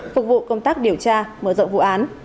phục vụ công tác điều tra mở rộng vụ án